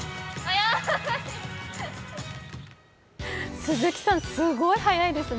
鈴木さん、すごい速いですね。